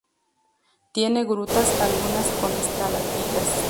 Tiene grutas, algunas con estalactitas.